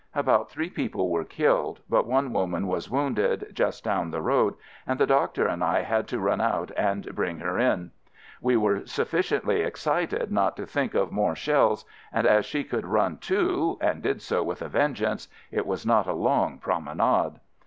About three people were killed, but one woman was wounded, just down the road, and the doctor and I had to run out and bring her in. We were sufficiently excited not to think of more shells, and as she could run too — and did so with a vengeance — it was not a long "promenade"!